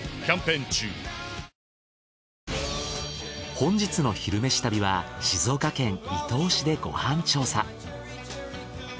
本日の「昼めし旅」は静岡県伊東市でご飯調査。